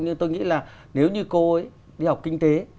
nhưng tôi nghĩ là nếu như cô ấy đi học kinh tế